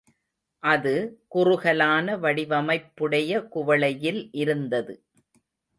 அது, குறுகலான வடிவமைப்புடைய குவளையில் இருந்தது.